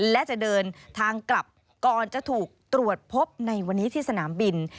และจะเดินทางกลับก่อนจะถูกตรวจพบในวันนี้ที่สนามบิน